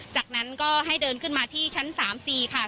จากนั้นก็ให้เดินขึ้นมาที่ชั้น๓๔ค่ะ